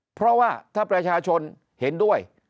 เพราะว่าถ้าประชาชนเห็นด้วย